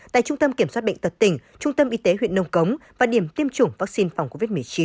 tại trung tâm kiểm soát bệnh tật tỉnh trung tâm y tế huyện nông cống và điểm tiêm chủng vaccine phòng covid một mươi chín